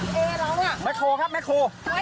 ยิงเลยครับยิงเลยแม็กโคครับแม็กโค